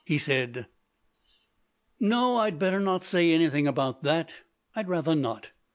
He said: "No, I'd better not say anything about that. I'd rather not.